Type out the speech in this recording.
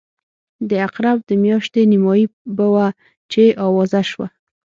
د عقرب د میاشتې نیمایي به وه چې آوازه شوه.